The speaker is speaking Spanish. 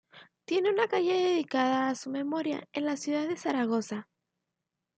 Tiene una calle dedicada a su memoria en la ciudad de Zaragoza